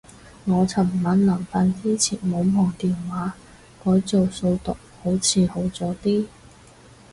我尋晚臨瞓之前冇望電話，改做數獨好似好咗啲